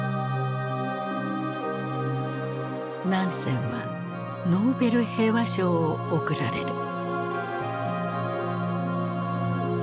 ナンセンはノーベル平和賞を贈られる。